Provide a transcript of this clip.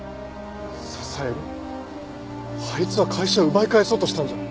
あいつは会社を奪い返そうとしたんじゃ。